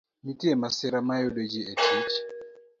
Nitie masira ma yudo ji e tich.